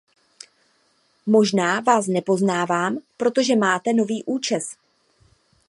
Možná vás nepoznávám, protože máte nový účes.